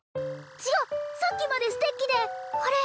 違っさっきまでステッキであれ？